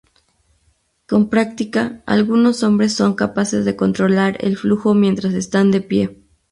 Con práctica, algunos hombres son capaces de controlar el flujo mientras están de pie.